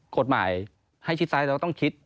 กฎหมายให้ชิดซ้ายเราต้องคิด